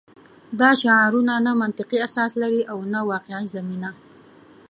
دا شعارونه نه منطقي اساس لري او نه واقعي زمینه